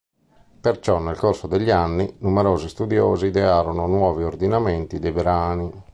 Perciò, nel corso degli anni, numerosi studiosi idearono nuovi ordinamenti dei brani.